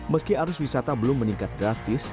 meski arus wisata belum meningkat drastis